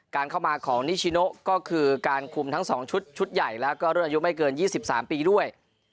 การเข้ามาของนิชชีโนก็คือการคุมทั้งสองชุดชุดใหญ่แล้วก็ร่วมอายุไม่เกินยี่สิบสามปีด้วย